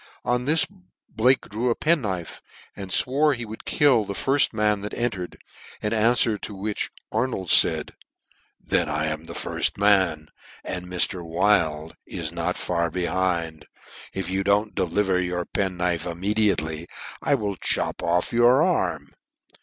On this Blake drew a penknife, and fwore he would kill the firft man that entered ; in anfwer to which Arnold faid, " Then I am the firft man, *' and Mr. Wild is not far behind, and if you " dont deliver your penknife immediately, I " will chop your arm off."